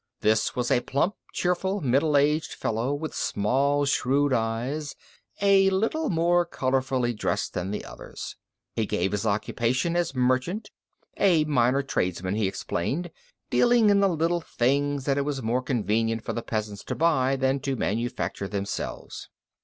This was a plump, cheerful, middle aged fellow with small shrewd eyes, a little more colorfully dressed than the others. He gave his occupation as merchant a minor tradesman, he explained, dealing in the little things it was more convenient for the peasants to buy than to manufacture themselves.